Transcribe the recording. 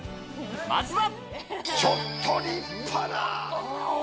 まずは。